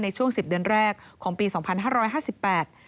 ช่วงสิบเดือนแรกของปีสองพันห้าร้อยห้าสิบแปด